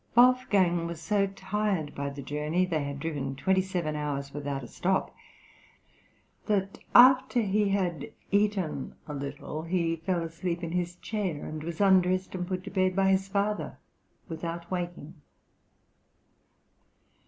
Wolfgang was so tired by the journey (they had driven twenty seven hours without a stop), that after he had eaten a little he fell asleep in his chair and was undressed and put to bed by his father, without waking.